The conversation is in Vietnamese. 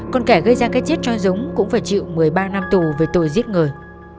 còn kẻ gây ra cái chết cho giống cũng phải chịu một mươi ba năm tù về tội giết người